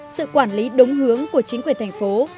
sự quản lý đúng hướng của chính quyền thành phố